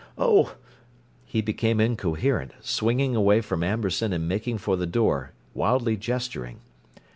Oh—" He became incoherent, swinging away from Amberson and making for the door, wildly gesturing.